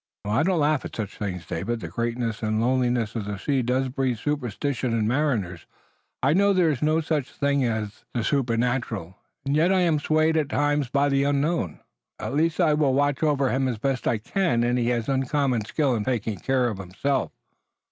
"I don't laugh at such things, David. The greatness and loneliness of the sea does breed superstition in mariners. I know there is no such thing as the supernatural, and yet I am swayed at times by the unknown." "At least I will watch over him as best I can, and he has uncommon skill in taking care of himself."